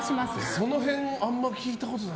その辺あんまり聞いたことない。